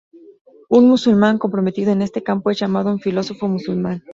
Un musulmán comprometido en este campo es llamado un filósofo musulmán.